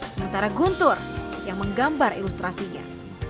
sementara guntur yang menggambar ilustrasinya